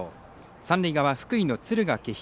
三塁側、福井の敦賀気比。